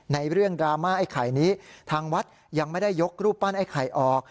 เรื่องดราม่าไอ้ไข่นี้ทางวัดยังไม่ได้ยกรูปปั้นไอ้ไข่ออก